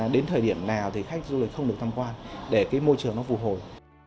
đến thời điểm nào thì khách du lịch không được tham quan để cái môi trường nó phù hồi